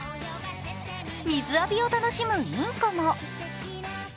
水浴びを楽しむインコも。